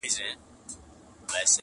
ادب کي دا کيسه پاتې کيږي,